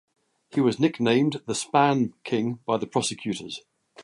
He was nicknamed the "Spam King" by prosecutors.